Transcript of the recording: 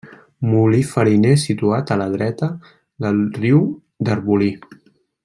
Molí fariner situat a la dreta del riu d'Arbolí.